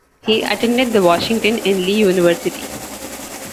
He attended the Washington and Lee University.